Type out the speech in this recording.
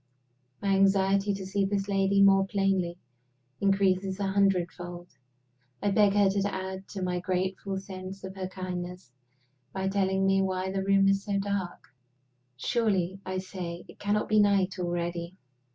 My anxiety to see this lady more plainly increases a hundred fold. I beg her to add to my grateful sense of her kindness by telling me why the room is so dark "Surely," I say, "it cannot be night already?"